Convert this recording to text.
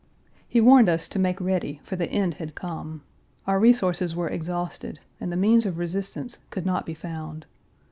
He Page 342 warned us to make ready, for the end had come. Our resources were exhausted, and the means of resistance could not be found.